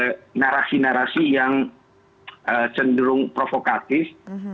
jadi kalau anda menyebarkan narasi narasi yang cenderung provokatif